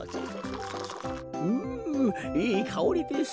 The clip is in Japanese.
うんいいかおりです。